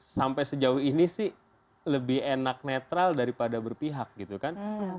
sampai sejauh ini sih lebih enak netral daripada berpihak gitu kan